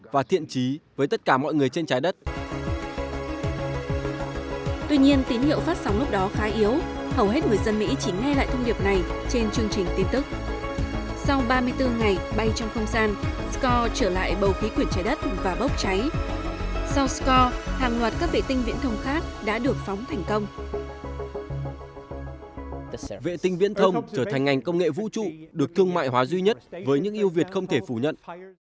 vệ tinh viễn thông trở thành ngành công nghệ vũ trụ được thương mại hóa duy nhất với những yêu việt không thể phủ nhận